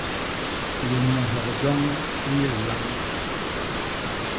Linyohok joñ li yé lilam.